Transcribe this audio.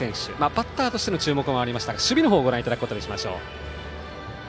バッターとしての注目もありましたが守備のほうをご覧いただきます。